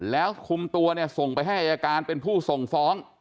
แล้วคุมตัวเนี่ยส่งไปให้อายการเป็นผู้ส่งฟ้อง